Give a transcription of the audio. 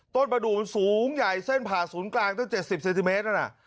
ประดูกมันสูงใหญ่เส้นผ่าศูนย์กลางตั้ง๗๐เซนติเมตรนั่นน่ะ